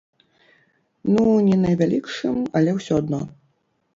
Ну не найвялікшым, але ўсё адно.